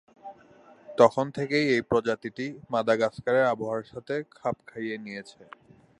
তখন থেকেই এই প্রজাতিটি মাদাগাস্কারের আবহাওয়ার সাথে খাপ খাইয়ে নিয়েছে।